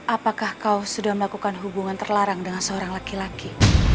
apakah kau sudah melakukan hubungan terlarang dengan seorang laki laki